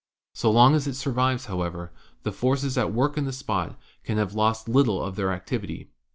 So long as it survives, however, the forces at work in the spot can have lost little of their activity.